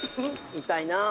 痛いなあ。